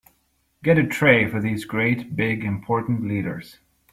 Get a tray for these great big important leaders.